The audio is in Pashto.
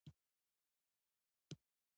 نوموړې ټولنه په خپلو لاسته راوړنو ویاړي.